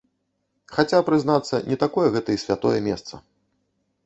Хаця, прызнацца, не такое гэта і святое месца.